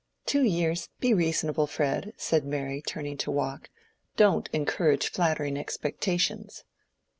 "Two years! be reasonable, Fred," said Mary, turning to walk. "Don't encourage flattering expectations."